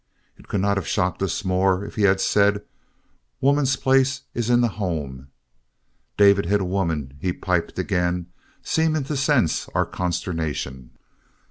It could not have shocked us more if he had said, "Woman's place is in the home." "David hit a woman," he piped again, seeming to sense our consternation.